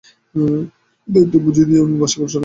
তাকে দায়িত্ব বুঝিয়ে দিয়ে আমি বাসে করে সকাল নয়টায় ঘরে পৌঁছলাম।